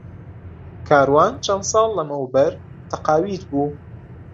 کاروان چەند ساڵ لەمەوبەر تەقاویت بوو.